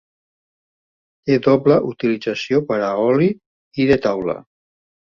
Té doble utilització per a oli i de taula.